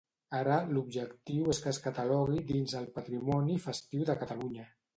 Ara l'objectiu és que es catalogui dins el patrimoni festiu de Catalunya.